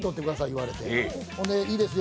言われていいですよ